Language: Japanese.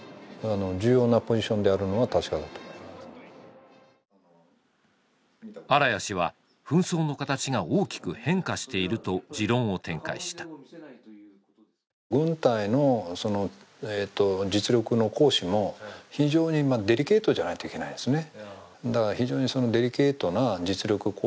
重要なポジションであるのは確かだと思います荒谷氏は紛争の形が大きく変化していると持論を展開した軍隊の実力の行使も非常にデリケートじゃないといけないですね